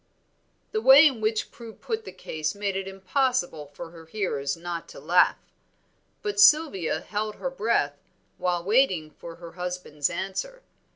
'" The way in which Prue put the case made it impossible for her hearers not to laugh. But Sylvia held her breath while waiting for her husband's answer.